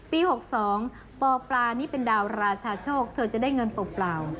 ๖๒ปปลานี่เป็นดาวราชาโชคเธอจะได้เงินเปล่า